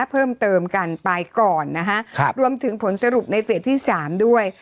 เพิ่มเติมกันไปก่อนนะฮะรวมถึงผลสรุปในเฟสที่สามด้วย